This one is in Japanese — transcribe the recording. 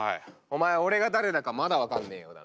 お前俺が誰だかまだ分かんねえようだな？